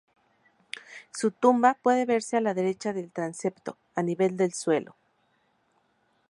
Su tumba puede verse a la derecha del transepto, a nivel del suelo.